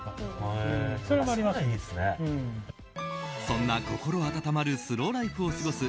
そんな心温まるスローライフを過ごす